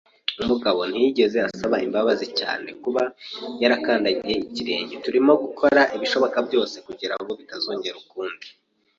Umugabo ntiyigeze asaba imbabazi cyane kuba yarakandagiye ikirenge. Turimo gukora ibishoboka byose kugirango bitazongera ukundi.